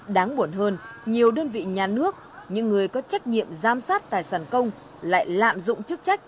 đáng buồn hơn nhiều đơn vị nhà nước những người có trách nhiệm giám sát tài sản công lại lạm dụng chức trách